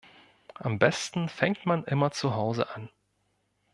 Am besten fängt man immer zu Hause an.